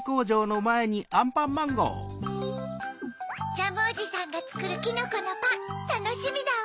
ジャムおじさんがつくるきのこのパンたのしみだわ。